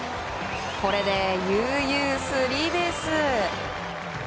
これで悠々スリーベース。